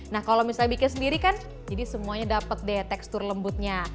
nah kalau misalnya bikin sendiri kan jadi semuanya dapat deh tekstur lembutnya